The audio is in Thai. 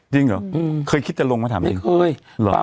จริงหรือ